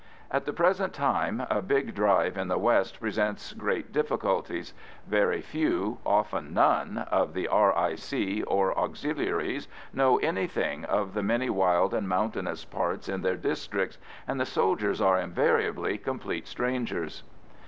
At the present time a big drive in the west presents great difficulties. Very few, often none, of the R.I.C. or Auxiliaries know anything of the many wild and mountainous parts in their districts, and the soldiers are invariably complete strangers.